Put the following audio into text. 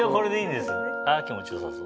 あ気持ちよさそう。